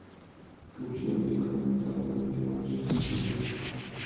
Gropius había comentado el tema en sus escritos.